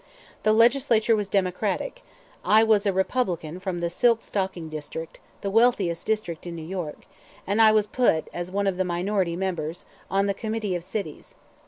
The Legislature was Democratic. I was a Republican from the "silk stocking" district, the wealthiest district in New York, and I was put, as one of the minority members, on the Committee of Cities.